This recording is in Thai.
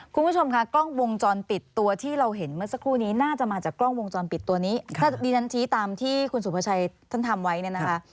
คุณผู้ชมค่ะกล้องวงจรปิดตัวที่เราเห็นเมื่อสักครู่นี้น่าจะมาจากกล้องวงจรปิดตัวนี้ถ้าดิฉันชี้ตามที่คุณสุภาชัยท่านทำไว้เนี่ยนะคะ